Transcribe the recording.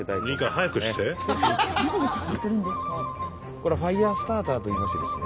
これはファイヤースターターといいましてですね。